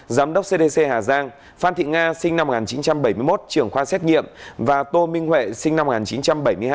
giám đốc cdc hà giang phan thị nga sinh năm một nghìn chín trăm bảy mươi một trưởng khoa xét nghiệm và tô minh huệ sinh năm một nghìn chín trăm bảy mươi hai